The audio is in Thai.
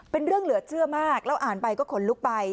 เป็นเรื่องเหลือเชื่อมากแล้วอ่านไปก็ขนลุกไป